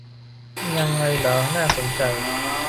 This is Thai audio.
ยังไงเหรอ น่าสนใจ